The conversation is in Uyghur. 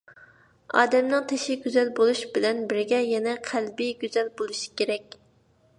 ئادەمنىڭ تېشى گۈزەل بولۇش بىلەن بىرگە يەنە قەلبى گۈزەل بولۇشى كېرەك!